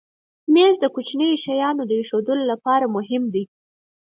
مېز د کوچنیو شیانو ایښودلو لپاره مهم دی.